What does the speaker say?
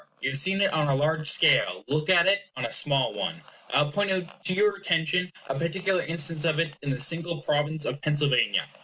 You have seen it on a large scale; look at it on a small one. I will point out to your attention a particular instance of it in the single province of Pennsylvania.